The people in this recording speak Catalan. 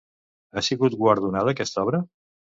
Ha sigut guardonada aquesta obra?